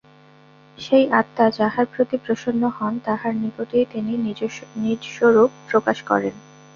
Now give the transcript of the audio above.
সেই আত্মা যাঁহার প্রতি প্রসন্ন হন, তাঁহার নিকটেই তিনি নিজস্বরূপ প্রকাশ করেন।